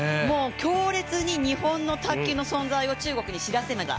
強烈に日本の卓球の存在を中国に知らしめた